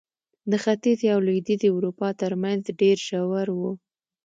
د ختیځې او لوېدیځې اروپا ترمنځ ډېر ژور و.